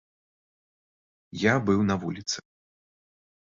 Я быў на вуліцах.